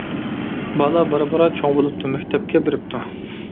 بالا بارا-بارا چوڭ بولۇپتۇ، مەكتەپكە بېرىپتۇ.